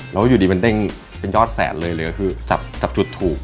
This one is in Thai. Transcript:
แล้วอยู่ดีมันเด้งเป็นยอดแสนเลยเลยก็คือจับจุดถูก